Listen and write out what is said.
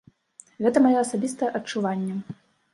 Гэта маё асабістае адчуванне.